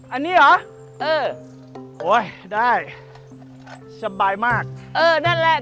อันนี้เหรอเออโอ๊ยได้สบายมากเออนั่นแหละ